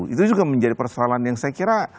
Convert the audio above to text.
itu juga menjadi persoalan yang saya kira